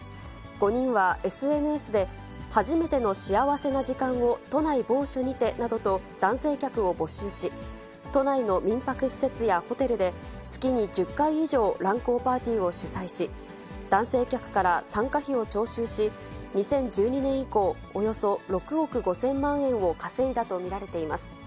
５人はＳＮＳで、はじめての幸せな時間を都内某所にて！などと男性客を募集し、都内の民泊施設やホテルで月に１０回以上乱交パーティーを主催し、男性客から参加費を徴収し、２０１２年以降、およそ６億５０００万円を稼いだと見られています。